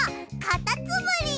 かたつむり！